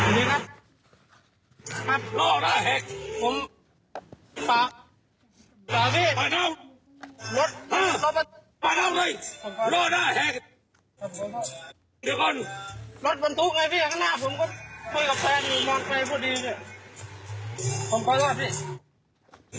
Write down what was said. รถมันทุกไงพี่ข้างหน้าผมก็ไม่กับแฟนมันไปพูดดี